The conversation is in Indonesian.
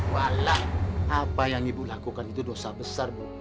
wala apa yang ibu lakukan itu dosa besar bu